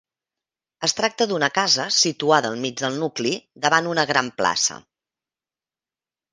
Es tracta d'una casa situada al mig del nucli, davant una gran plaça.